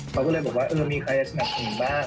เขาก็เลยบอกว่าเออมีใครจะสนับสนุนบ้าง